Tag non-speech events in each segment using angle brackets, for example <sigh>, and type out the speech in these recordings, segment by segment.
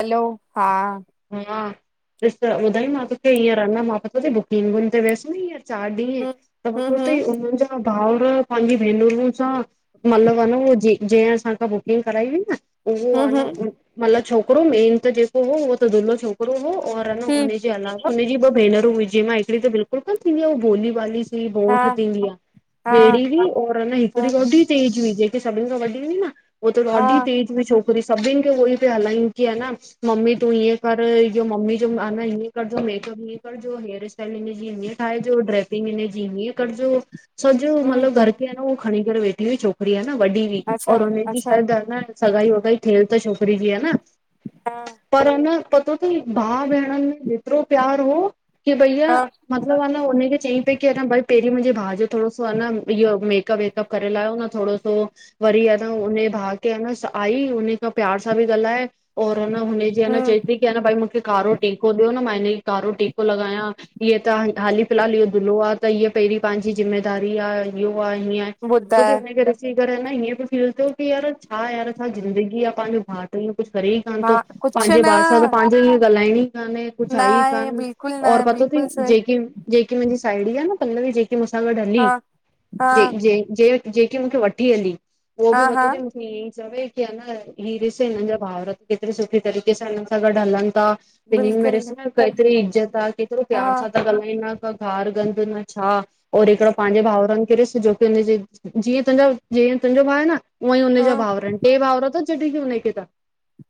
हलो! हा। हा, ॾिस त ॿुधाई मां तोखे हींअर, न मां पतो तई बुकिंग ते वियसि न हींअर चारि ॾींहं हूं त हूं बुधो हूं तई हुननि जा भाउर पांजी भेनरूंन सां मत्लब वनऊ जी जहिं असांखां बुकिंग कराई हुई न उहो हूं आ हूं न, मतलब छोकरो मेन त जेको हो, उहो त दुल्हो छोक हू और हूं हुनजे अलावा हुनजी ॿ भेनरूं मुहिजी मायट्री त बिल्कुल कान थींदी आ, हू भोली भाली सी हिकड़ी हा बोठ थींदी आ, हा ॿेड़ी बि और ह हिकिड़ी होॾी तेज हुई, जेके सभिनि खां वॾी हुई न ऊअ त हा ॾाढी तेज हुई छो छोकिरी सभिनि खे उओई पे हलाईंन कि हन मम्मी तूं हींअ कर, इहो मम्मी जो माना हींअ करजो, मेकअप हीअं करजो, हेयर स्टाइल हिनजी हींअ ठाहिजो ड्रैस पिन इनेजी हींअ करजो। सॼो हूं मतलब घर के अएं न ऊ खणी करे वेठी हुई छोकरी, अएं न वॾी हुई अच्छा और उन जी अच्छा शायदि अएं न सगाई वॻाई थियल त छोकरी जी, आ न हां पर न, पतो तई, भाउ भेंणन मे हेतरो प्यारु हो की भईया, हा मतलब आ न उने खे चईं की अन भाई पहिरीं मुंजे भाउ जो थोड़ो सो आ न इओ, मेकअप वेकअप करे लाहियो न थोड़ो सो। वरी अएं न, उने भाउ खे अएं न, आई उने खां प्यार सां पी ॻाल्हाए और अन जीअ न, हूं चई पी की अन, भई मूखे कारो टीको ॾियो न, मां इने खे कारो टीको लॻायां। ईंएं त हाली फ़िलहाल इहो दुल्लो आ, त हीअ पहिरीं पांजी ज़िम्मेदारी आ हीओ आ हींअ आहे तो फिर ॿुधाए हुने खे ॾिसी करे न, ईंएं पयो फील थिए, की यार छा यार, छा जिंदगी आ, पांजो भा त हीउ कुछ करे ई कान मां तो, कुझु पांजे न भाउ सा त पांजे ही गालाइ नी कान्हें, कुछ न आहेई आहे कान, बिल्कुलु न और आहे पतो थई बिल्कुलु सही जेकी जेकी मुंजी साहेड़ी आ न, पल्लवी जेकी मूंसां गॾ हा हलीही, हा जे जे जेकी मूंखे वठी हली, उहो हा बि हा पतो तई मु ही चवे की अन, ही ॾिस हिनन जा भावर केतिरी सुठी तरीक़े ॾिस हिनन सां गॾु हलनि ता, ॿिनिन् में ॾिस बिल्कुलु न केतिरी इज्ज़त आ, केतिरो हा प्यार सां ता ॻाल्हाईन। न घार गंद, न छा और हिकड़ो पांजे भाउरनि खे ॾिस, जोकी हुनजी जीएं तुंजा, जीएं तुंजो भा आहे न, ऊंअईं हूं उनजा भाउर आहिनि टे भाउर तस जॾहिं की उनेखे त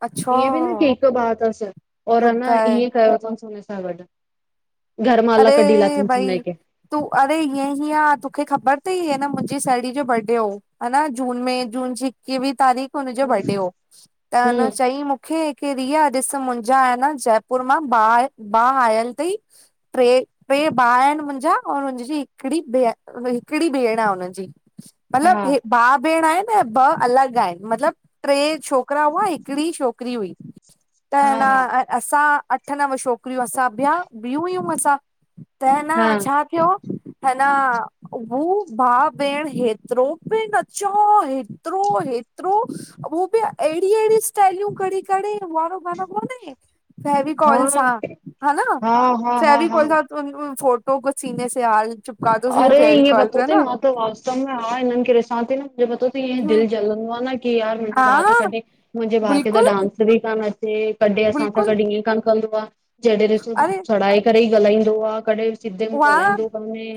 अच्छा के हिकु भाउ तसि, और अन ॿुधाए इएं कयो तन्स, उने सां गॾु। घरमाला कढी अरे! लाथसि भई हुनखे तूं अरे ईंएंहीं आं, तुखे ख़बर तई, न मुंजी साहेड़ी जो बर्डे हो अन जून में, जून जी इकवीं तारीक, उनजो हम्म बर्डे हो, त उन हम्म चईं मू मूंखे के रिया! ॾिस मुंजा एन जयपुर मां भा आहे बा आयल तई ट्रे ट्रे भाउ आहिनि मुंजा, ओर हुनजी हिकिड़ी भेण, हिकिड़ी भेण आ हुनजी। हा मल्लब हि भाउ भेण आहिनि, ऐं ॿ अलॻि आहिनि, मतलब ट्रे छोकरा हुआ, हिकड़ी छोकिरी हुई। त अ न हा हा असां अठ नव छोकरियूं असां ॿिया, बियूं हुयूं असां। त हिन हा हा छा कियो, है ना हू भाउ भेण हेतरो पे नचो, हेतरो हेत् हेतरूं, हू बि एड़ी एड़ी स्टाइल्यूं कड़े कड़े, हू वाड़ो गानो कोन्हें फैवीकॉल सां, हा हां न हा हा हा तो उन फोटो को सीने से आज, चिपका दो सीधे अरे ईअं फेविकोल से, पतो है तई न मां त वास्तव में आ हिननि खे ॾिसां थी न, मुंहिंजो पतो तई इअ हम्म दिल जलंदो आ न यार मुंहिंजे हा भा त कढे, मुंहिंजे भा खे त कडी बिल्कुल डांस बि कान अ कॾहं असां सां बिल्कुल गॾु ईएं कान कंदो आ, जॾअं ॾिसो अरे सड़ाए करे ई ॻाल्हाईंदो आ, कॾहं सिद्धे मुं वाह गालाईदो कोन हे।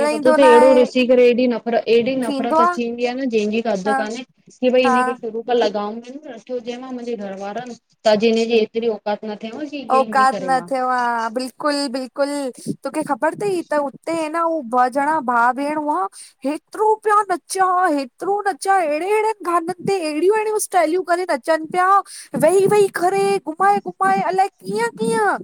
ईअ पतो न तई अहिड़ो आहे ॾिसी करे हेॾी नफ़रत एॾी थींदो नफ़रत आहे अची वेंदी आ न जंहिंजी का हद हा कान्हे। कि भई हिन हा खे शुरू खां लगाम में न रखियो हुजे हां मुंहिंजे घर वारनि त अॼ हिन जी हेतिरी औ कात न थेव आं कि औकात न थेव आं, बिल्कुल बिल् कुल। तोखे ख़बर तई त हुते ह न हू ब जणा भाउ भेण हुआ हेतिरो पिया नचां, हेतिरो नचां, हेड़े हेड़े गानन ते, हेड़ियूं हेड़ियूं टाइल्यूं करे नचनि प्या। वेही वेही करे, घुमाए- घुमाए अलाए कीअं कीअं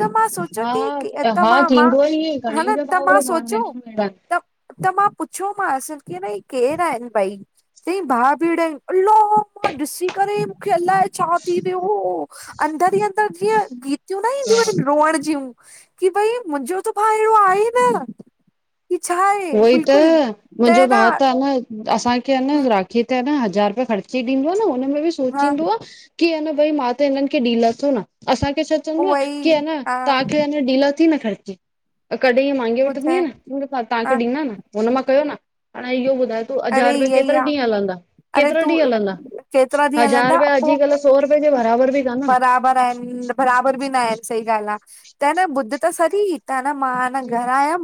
त मां सोचा हा कि, त हा मां- मां, थींदो आ ईअं घणेनि हन जा त भाउर मां भाउरनि सोचो में अहिड़ा आहिनि त, त मां पुछ्योमांस कि हन हि केरु आहिन ॿई? चई भा- भेंण आहिन, अल्ला मां ॾिसी करे मूंखे अलाए छा थी वियो, अंदर ई अंदर, जीअं ॻीतियूं न ईंदियूं आहिन रुअण जिंयूं। कि भई मुंहिंजो त भाअहिड़ो आहे ई न की छा आहे उहो ई त, बिल्कुलु त मुंहिंजो न भाउ त ह न असांखे ह न राखीअ ते ह न हजार रुपिया ख़र्ची ॾींदो आ न हुन में बि हा सोचींदो आ की अ न भई मां त हिनन खें ॾी लाथो न। असांखे छा चअंदो आ उहा ई कि ह न हा तव्हांखें ॾी लाथी न ख़र्ची। कॾहिं ईअं मांगे वठन्दी ॿुधाए आंया न, तव्हांखें हा न हुन मां कयो न। हाण इहो ॿुधायो तू हजार अरे रुपया इहा ई केतिरा आहे ॾींह हलंदा, अरे केतिरा तूं ॾींह हलंदा। केतिरा ॾींहं हज़ार हलंदा रुपया पो अॼुकल्ह सौ रुपये जे बराबर बि कान आ बराबर आहिन, बराबर बि न आहिन, सही ॻाल् आ। त ह न ॿुध त सरी त ह न मां ह न घर आयम,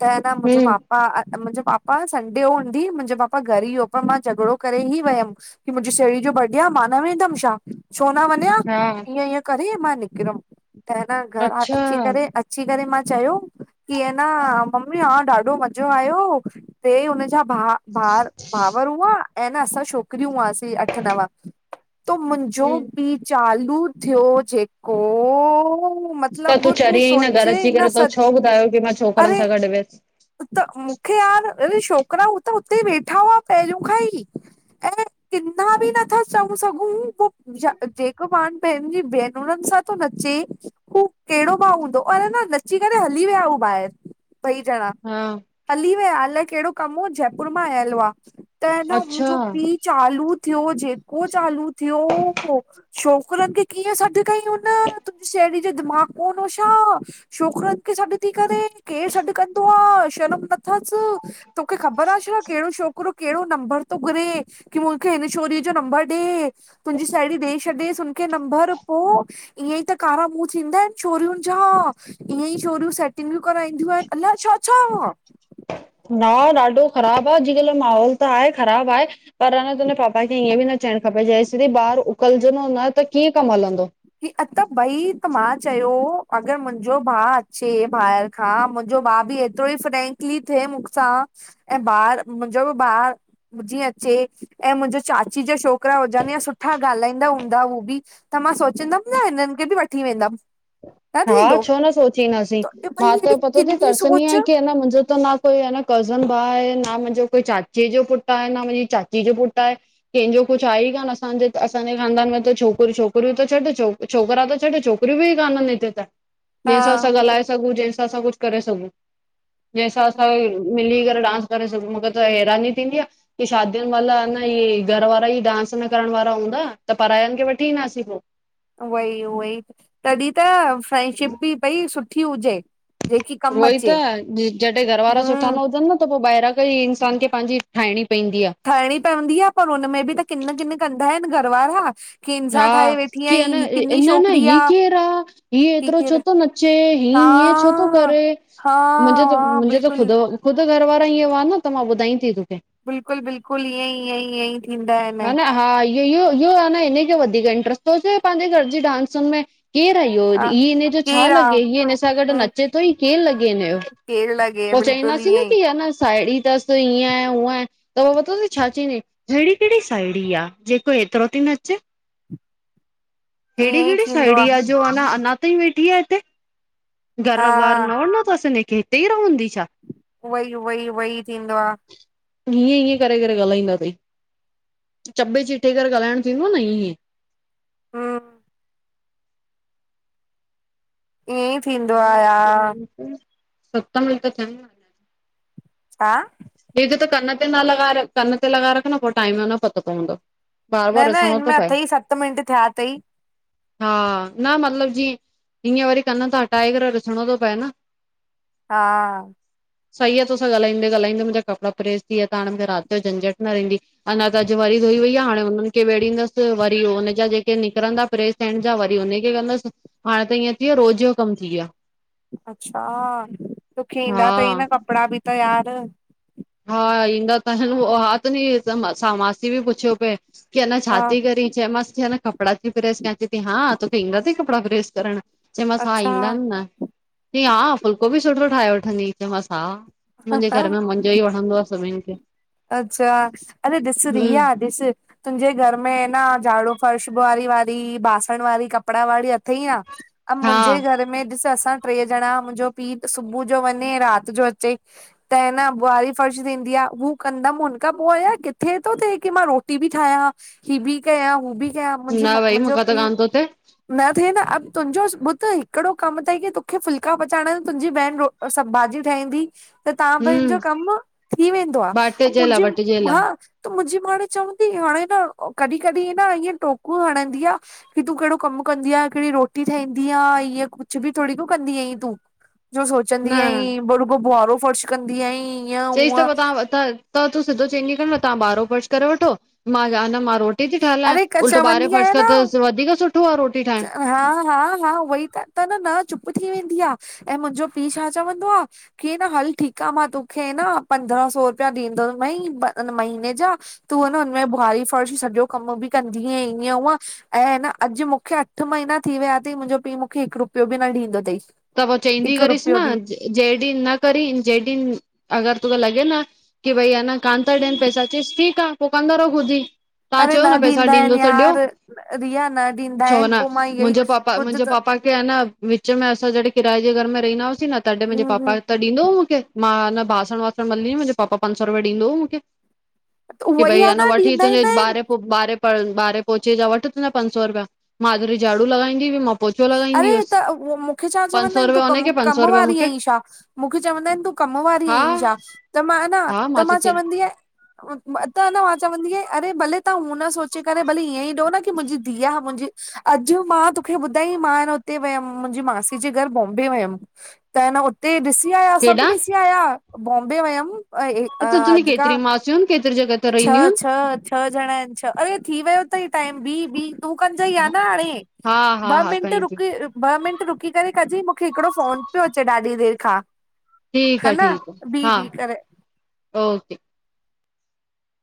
त मुंहिंजो हम्म पापा अ अ, मुंहिंजो पापा संडे हुन मुंहिंजो पापा घर ई हुओ, पर मां झगड़ो करे ई वयम कि मुंहिंजी साहेड़ी जो बर्डे आ, मां न वेंदम छा, छो न वंञा? हा। ईअं करे मां निकरम। त ह न घरां अच्छा अची करे अ अची करे मां चयो, कि ह न मम्मी हा ॾाढो मजो आयो। ते हुनजा भा भार भावर हुआ ऐं न असां छोकिरियूं हुआसीं अठ, नव। त मुंहिंजो हम्म पीउ चालू थियो जेको त तूं मतिलबु चरी आंई न, घर सोचे अची न करे तो स छो ॿुधायो कि मां छोकिरन अरे सां गॾु वियसि। त मूंखे यार, अरे छोकरा हू त हुते ई वेठा हुआ पहिंरिंयों खां ई। ऐं किन्ना बि नथा चऊं सघूं, पो ज, जेको माण्ह पंहिंजी भेनरुनि सां थो नचे हू कहिड़ो भाउ हूंदो, और है न नची करे हली विया हू ॿाएर, ॿई जणा। हा। हली वया। अलाए कहिड़ो कमु हुओ, जयपुर मां आयल हुआ। त ह न अच्छा मुंहिंजो पी चालू थियो, जेको चालू थियो छोकरनि खे कीअं सॾु कईं हुन, तुंहिंजी साहेड़ी जे दिमाग़ु कोन्ह हो छा? छोकरनि खे सॾु थी करे, केरु सॾु कंदो आ। शर्म न तोखे ख़बर आ छा कहिड़ो छोकरो, केड़ो नंबर थो घुरे कि मूंखे हिन छोरीअ जो नंबर ॾे। तुंहिंजी साहेड़ी ॾेई छॾेसि हुनखे नंबर पो? ईअं ई त कारा मुंह थींदा आहिनि छोरियुनि जा, ईअं ई छोरियूं से <unintelligible> कराईंदियूं आहिनि, अलाए छा-छा। ना, ॾाढो ख़राबु आहे अजकल्ह जो माहौल त आहे, ख़राबु आहे पर ह न तुंहिंजे पापा खे ईअं बि न चइणु खपे। जे सिरी ॿारु उकलजंदो न त कीअं कमु हलंदो? ही अ त भई त मां चयो, अगरि मुंहिंजो भाउ अचे ॿाहिरि हा, मुंहिंजो भाउ बि एतिरो ई फ्रेंकली थिए मूं सां ऐं ॿार, मुंहिंजो बि ॿारु जीअं अचे ऐं मुंहिंजो चाची जा छोकिरा हुजनि या सुठा ॻाल्हाईंदा हूंदा हू बि, त मां सो चंदमि न, हिननि खें बि वठी वेंदमि न हा थींदो छो न सोचींदासीं। भई मां त हेॾी पतो अथी, किनी तरसंदी सोच आहियां की न मुंहिंजो त ना कोई ह न कजिंन भाउ आहे, न मुंहिंजो कोई चाचे जो पुटु आहे, न मुंहिंजी चाची जो पुटु आहे कंहिंजो कुछ आहे ई कान असांजे त, असांजे ख़ानदान में त छोकिरियूं, छोकिरियूं त छॾि छो छोकिरा त छॾ छोकिरी भी ई कानन हिते। हा जैंसा असां ॻाल्हाए सघूं जैंसा असां कुछ करे सघूं जैसा सां हा असाये। मिली करे डांस करे सघूं मूखे त हैरानी थींदी आ। की शादियुनि महिल आहे न इहे घर वारा ई डांस न करण वारा हूंदा त परायन खे वठी ईंदासीं पोइ। उहई उहई तॾी त फ्रेंडशिप भी भई सुठी हुजे। जेकी कमु उहो ई त अचे जॾहिं घर वारा सुठा हम्म न हुजनि न त पोइ ॿाहिरां। इंसान खे पाहिंजी ठाहिणी पवंदी आ। ठाहिणी त हुंदी आ पर हुनमे भी त किन किन कंदा आहिनि घरवारा। हा की न छोकिरी इह आ केरु आहे ह ही एतिरो छो। केरु थो नचे हीअ हा हीअं छो थो करे हा मुहिंजो त हा मुहिंजो त बिल्कुलु ख़ुदो। ख़ुदि घर वारा इंय हुआ न त मां ॿुधाई थी तोखे। बिल्कुल बिल्कुल ईंय ईंय ईंय। ह न हा इह इहो इहो आहे न हिनजो वधीक इंट्रस्ट थो अचे पंहिंजे घर जी डांसुनि मे केरु आयो हा इ हिनन जो छा केरु लॻे आ इयो हिन सां गॾु नचे थो ईयो केरु लॻे हिन जो। केर लॻ। पो चवंदसीं न की न साहेड़ी तस ईंयआहे हूअं आहे। त पतो छा चईंदी अहेड़ी कहेड़ी साहेणी आहे जेको ऐतिरो थी नचे- <inaudible> ई ऐड़ी ईअं ई केहड़ी थींदो साहणी आ। जो अञा अञा ताईं वेठी आहे हिते, घर वार हा न वञणो तस हिनखे हिते ई। हूंदी छा। उहई उह ई उहई थींदो आ। हींय हींय करे करे ॻाल्हाईंदा तई। चॿे चिटे करे ॻाल्हाइण थींदोआन ईएं। हू ईंय ई थींदो आहे यार सतमिंट थिंन। छा। ह जो त कन ते न लॻाए कन ते लॻाए रख न पोइ टाइम जो न पतो पवंदो। बार न बार न ॾिसणो हिनमे थो मे पए अथई सत मिंट थिया तई। हा न मतलबु जींय हींय वरी कनि था हटाये ॾिसणो थो पए न। हा सही आ तोसां ॻाल्हाईंदे ॻाल्हाईंदे मुंहिंजा कपिड़ा प्रेस थी विया त हाणे मूंखे रात जो झंझटि न रहंदी। अञा त अॼ वरी धोई वई आ हाणे हुनन खे वेड़ींदस वरी हुनजा जेके निकरंदा प्रेस। थियन जा वरी हुनखे कंदस हाणे त इंय थी वयो रोज़ जो कम थी वयो आ अच्छा तोखे आहे ईंदा तई हा न कपड़ा भी त यार। हा ईंदा त हिन हा तुंजी मांसी बि पुछियो पए की अञा हा छाती करी। चयो मास कि अन कपड़ा ती प्रेस कयां चेती हा तुखे इंदा तई कपड़ा प्रेस करण। चयोमांस हा अच्छा ईंदा आहिन न चई हा फुल्को भी सुठो ठाहे वठंदी आईं। चयो मांस हा मुहिंजे घर में मुजों ही वणंदो आ सभिन खे अच्छा अरे ॾिस रिया हम्म ॾिस। तुंजे घर में न झाड़ू फर्श ॿुहारी वारी बासण वारी कपड़ा वारी अथई न। अ हा मुंजे घर में ॾिस असां ट्रे ॼणा मुंजो पीउ सुबु जो वञे रात जो अचे। त अन ॿुहारी फर्श थींदी आ हू कंदम हुन खां पो न आया किथे थो थे कि मां रोटी भी ठायां ही भी कया हू भी। कयां मुंजी न भई मुंजो मूंखां त पीउ। कान थो थिए न थे न अब तुंजो ॿुध हिकड़ो कम तई की तोखे फुल्का पचाइण तुंजी भेण रो सभ भाॼी ठाईंदी त तहां ॿिनिन जो हम्म कम थी वेंदो आ अऊं बाटजेला मुंजी बटजेला मां त मुंजी माणे चवंदी हाणे न कॾी कॾी न ईंय टोकू हणंदी आ। की तूं केड़ो कम कंदी आ केड़ी रोटी ठाईंदी आ ईंय कुछ भी थोड़ी न कंदी आहीं तूं। जो सोचंदी न आईं पो रूॻो बुहारो फर्श कंदी आईं। चईस त पो तहां त त तूं सिधो चईंदी कर न तहां ॿुआरो फर्श करे वठो मां न मां रोट रोटी ती ठा लाए अरे उल्टो ॿुआरे चवंदी आहियां फर्श खां न त वधीक सुठो आ रोटी ठाहिण। हा हा हा उह ई त त न न चुप थी वेंदी आ ऐं मुंजो पीउ छा चवंदो आ की न हल ठीक आ मां तोखे न पंद्रह सौ रुपया ॾींदोमईं महीने जा तूं न हुनमें ॿुहारी फर्श सॼो कम बि कंदी आईं ईअं हूअं ऐं अन अॼ मु मूंखे अठ महीना थी विया अथई मुंजो पीउ मुखे हिक रुपयो बि न ॾींदो तई। त पो चेंदी करीस न जें ॾींह न करी जें ॾींह अगर तोखे लॻे न की भई अन कान ता ॾेन पैसा चीस पो ठीक आ पो कंदा रहो खुद ही। तहां अरे चयो न पैसा ॾींदा ॾींदो आहिनि त ॾियो यार रिया न ॾींदा छो आहिनि न पोइ मां इहो ई मुंजे पापा ॿुध मुंजे त पापा कि अन विच में असां जॾे किराए जे घर में रहींदा न हुआसीं न तॾे मुंजे हूं हूं पापा त ॾींदो हो मुखे मां न बासण वासण मली हुई मुंजो पापा पंज सौ रुपया ॾींदो हो मुखे। की उहो ई भई आ अन न वठ इये ॾींदा ई तुंजे न आहिनि ॿार पो ॿारे ॿारे पोचे जा वठ तुंजा पंज सौ रुपया माधुरी झाडू लॻाईंदी हुई मां पोचो लॻाईंदी अरे त हुअसि मुखे छा पंज चवंदा सौ आहिन तूं रुपया कम हुनखे पंज कम सौ रुपया वारी मूंखे आईं छा? मुखे चवंदा आहिन तूं कम वारी हा आईं छा? त मां न त मां चवंदी आ त न मां चवंदी आयां अरे भले तहां हू न सोचे करे भले ईअं ई ॾियो न की मुंजी धीउ आ मुंजी अॼ मां तोखे ॿुधाई मां न हुते वयम मुंजी मांसी जे घर बॉम्बे वयम। त न उते ॾिसी आया सभ केॾां ॾिसी आया बॉम्बे वयम अ हिते अॼ तुंहिंजी खां <unintelligible> केतिरी जॻह ते रहंदियूं छह आहिनि छह छह ॼणा आइन छह अरे थी वयो तई टाइम भी भी तूं कंज ई आ न हाणे हा हा ॿ हा मिंट खणी थी रुक ॿ मिंट रुकी करे कजइ मूंखे हिकड़ो फोन पियो अचे ॾाढी देर खां। ठीक हा आ न ठीक आ बी हा बी करे ओके।